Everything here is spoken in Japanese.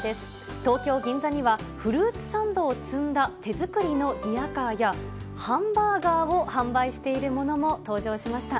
東京・銀座には、フルーツサンドを積んだ手作りのリヤカーや、ハンバーガーを販売しているものも登場しました。